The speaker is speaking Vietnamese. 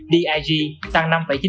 dig tăng năm chín mươi chín